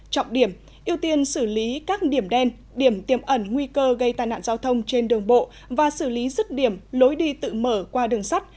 trọng điểm ưu tiên xử lý các điểm đen điểm tiềm ẩn nguy cơ gây tai nạn giao thông trên đường bộ và xử lý rứt điểm lối đi tự mở qua đường sắt